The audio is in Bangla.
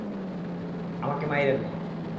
আমাকে মাইরেন না!